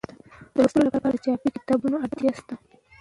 د لوستنې لپاره د چاپي کتابونو اړتیا شته.